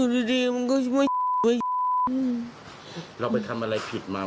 ช่วยพ่อหน่อย